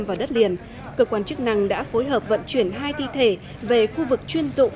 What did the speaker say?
vào đất liền cơ quan chức năng đã phối hợp vận chuyển hai thi thể về khu vực chuyên dụng